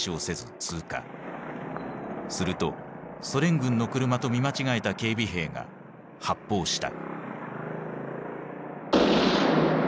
するとソ連軍の車と見間違えた警備兵が発砲した。